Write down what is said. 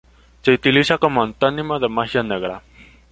Se utiliza como antónimo de magia negra.